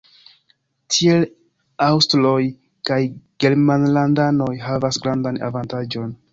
Tiel aŭstroj kaj germanlandanoj havas grandan avantaĝon.